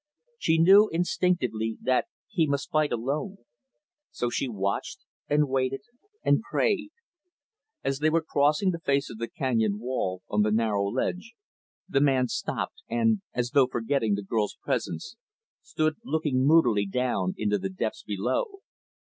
She knew, instinctively that he must fight alone. So she watched and waited and prayed. As they were crossing the face of the canyon wall, on the narrow ledge, the man stopped and, as though forgetting the girl's presence, stood looking moodily down into the depths below.